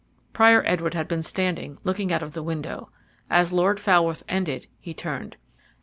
Prior Edward had been standing looking out of the window. As Lord Falworth ended he turned.